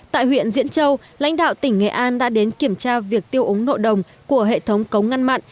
tại huyện diễn châu lãnh đạo tỉnh nghệ an đã đến kiểm tra việc tiêu ống nội đồng của hệ thống cống ngăn mặn